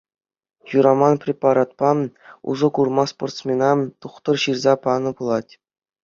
Юраман препаратпа усӑ курма спортсмена тухтӑр ҫырса панӑ пулать.